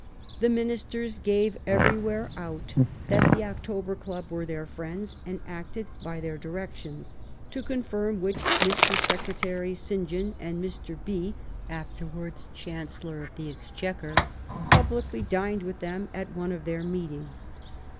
The ministers gave everywhere out, that the October club were their friends, and acted by their directions; to confirm which Mr. Secretary St. John and Mr. B y afterwards Chancellor of the Ex chequer, publicly dined with them at one of their meetings.